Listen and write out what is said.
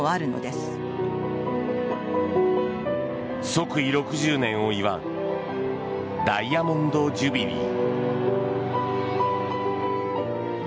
即位６０年を祝うダイヤモンド・ジュビリー。